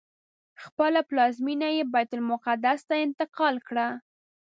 خپله پلازمینه یې بیت المقدس ته انتقال کړه.